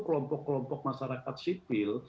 kelompok kelompok masyarakat sipil